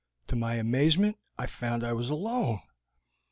To my amazement I found that I was alone.